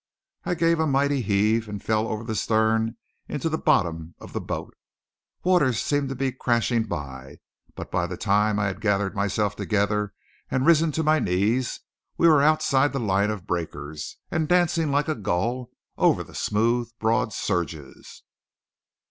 I gave a mighty heave and fell over the stern into the bottom of the boat. Waters seemed to be crashing by; but by the time I had gathered myself together and risen to my knees, we were outside the line of breakers, and dancing like a gull over the smooth broad surges.